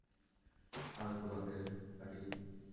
আর গোলাপের কাটিং?